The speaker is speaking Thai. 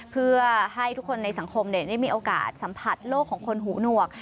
เพื่อให้ทุกคนในสังคมได้มีโอกาสสัมผัสโลกของคนหูหนวก